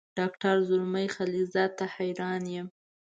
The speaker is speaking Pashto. ډاکټر زلمي خلیلزاد ته حیران یم.